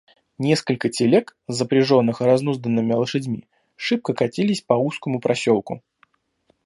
Несколько телег, запряженных разнузданными лошадьми, шибко катились по узкому проселку.